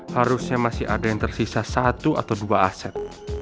harusnya masih ada yang tersisa satu atau dua aset